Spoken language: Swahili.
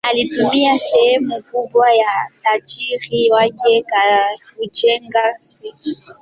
Alitumia sehemu kubwa ya utajiri wake kujenga jeshi la binafsi.